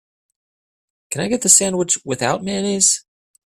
Can I get the sandwich without mayonnaise?